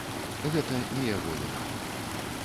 Гэта не яго віна.